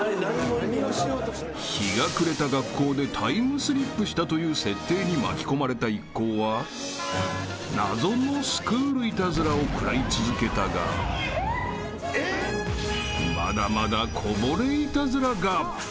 ［日が暮れた学校でタイムスリップしたという設定に巻き込まれた一行は謎のスクールイタズラを食らい続けたがまだまだこぼれイタズラが］